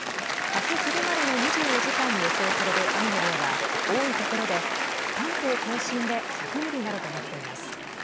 あす昼までの２４時間に予想される雨の量は多いところで関東甲信で１００ミリなどとなっています。